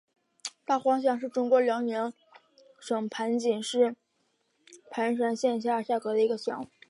大荒乡是中国辽宁省盘锦市盘山县下辖的一个乡。